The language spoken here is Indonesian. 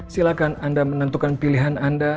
silahkan anda menentukan pilihan anda